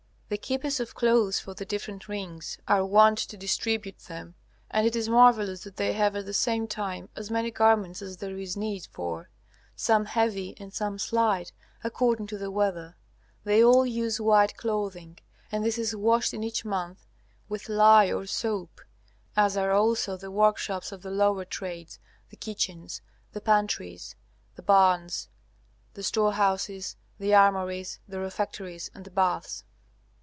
The keepers of clothes for the different rings are wont to distribute them, and it is marvellous that they have at the same time as many garments as there is need for, some heavy and some slight, according to the weather. They all use white clothing, and this is washed in each month with lye or soap, as are also the workshops of the lower trades, the kitchens, the pantries the barns, the store houses, the armories, the refectories, and the baths.